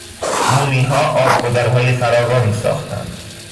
رومیها آبگذرهای فراوانی ساختند.